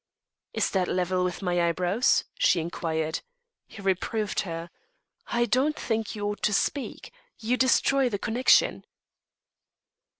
"Is that level with my eyebrows?" she inquired. He reproved her. "I don't think you ought to speak. You destroy the connection."